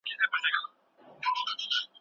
هغه تګلارې چي دود دي دلته پلي کیږي.